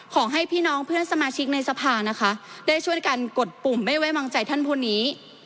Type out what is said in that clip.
ขอให้พี่น้องเพื่อนสมาชิกในสภานะคะได้ช่วยกันกดปุ่มไม่ไว้วางใจท่านผู้นี้